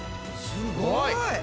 すごい！